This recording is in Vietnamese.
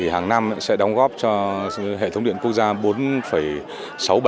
hàng năm sẽ đóng góp cho hệ thống điện quốc gia